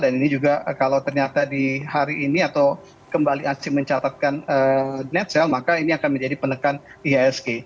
dan ini juga kalau ternyata di hari ini atau kembali asing mencatatkan net sale maka ini akan menjadi penekan isk